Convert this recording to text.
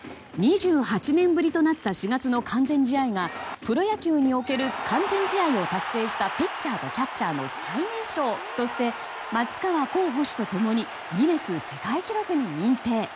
２８年ぶりとなった４月の完全試合がプロ野球における完全試合を達成したピッチャーとキャッチャーの最年少として松川虎生捕手と共にギネス世界記録に認定。